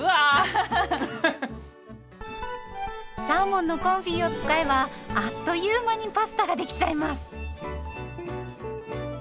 サーモンのコンフィを使えばあっという間にパスタができちゃいます。